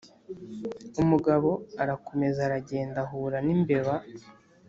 Umugabo Arakomeza aragenda ahura n' imbeba,